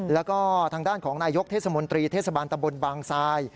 แล้วก็ทางด้านของนายกเทศมนตรีเทศบาลตำบลบางทราย